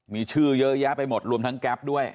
มีชื่อเยอะแยะไปหมดรวมทั้งแก๊ปด้วย